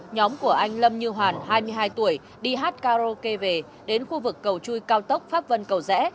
nhóm của anh lâm như hoàn hai mươi hai tuổi đi hát karaoke về đến khu vực cầu chui cao tốc pháp vân cầu rẽ